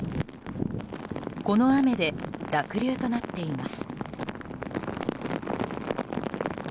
この雨で濁流となっています。